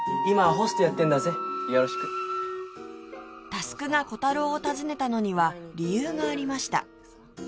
佑がコタローを訪ねたのには理由がありました